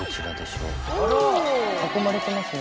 囲まれてますね。